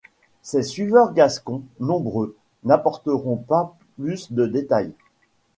Ses suiveurs gascons, nombreux, n'apporteront pas plus de détails.